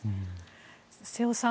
瀬尾さん